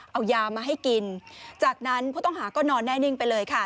เอายามาให้กินจากนั้นผู้ต้องหาก็นอนแน่นิ่งไปเลยค่ะ